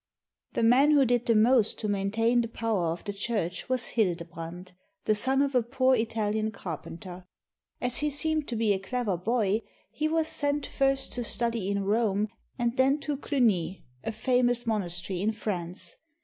] The man who did the most to maintain the power of the Church was Hildebrand, the son of a poor ItaHan car penter. As he seemed to be a clever boy, he was sent first to study in Rome and then to Cluni, a famous mon astery in France.